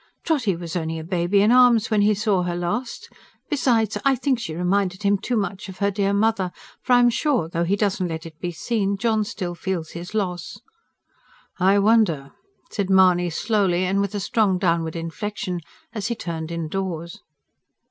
"Trotty was only a baby in arms when he saw her last. Besides, I think she reminded him too much of her dear mother. For I'm sure, though he doesn't let it be seen, John still feels his loss." "I wonder!" said Mahony slowly and with a strong downward inflection, as he turned indoors.